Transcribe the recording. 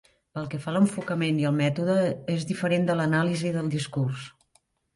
Pel que fa a l'enfocament i el mètode, és diferent de l'anàlisi del discurs.